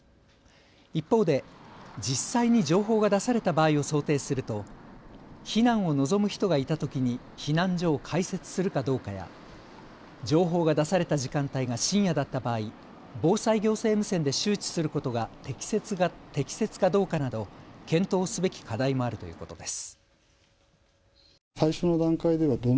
一方で実際に情報が出された場合を想定すると避難を望む人がいたときに避難所を開設するかどうかや情報が出された時間帯が深夜だった場合、防災行政無線で周知することが適切かどうかなど検討すべき課題もあるということです。